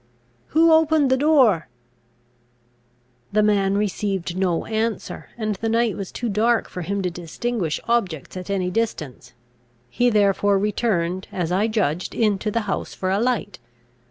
who opened the door?" The man received no answer, and the night was too dark for him to distinguish objects at any distance. He therefore returned, as I judged, into the house for a light.